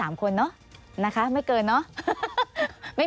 การเลือกตั้งครั้งนี้แน่